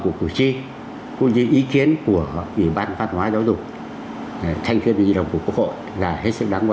của cựu chi cũng như ý kiến của ủy ban văn hóa giáo dục thanh kiên di động của quốc hội là hết sức đáng